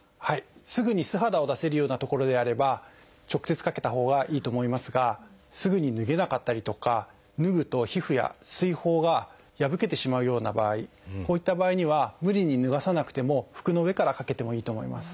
すぐに素肌を出せるような所であれば直接かけたほうがいいと思いますがすぐに脱げなかったりとか脱ぐと皮膚や水ほうが破けてしまうような場合こういった場合には無理に脱がさなくても服の上からかけてもいいと思います。